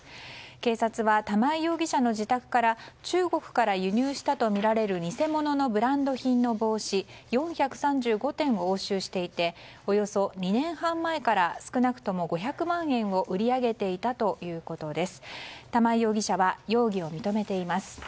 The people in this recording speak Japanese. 警察は玉井容疑者の自宅から中国から輸入したとみられる偽物のブランド品の帽子４３５点を押収していておよそ２年半前から、少なくとも５００万円を売り上げていたということです。